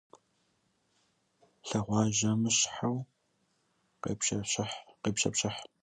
Лъэгуажьэмыщхьэу къепщэпщыхь.